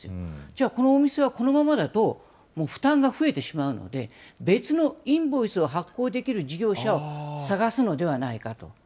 じゃあこのお店は、このままだと負担が増えてしまうので、別のインボイスを発行できる事業者を探すのではないかと。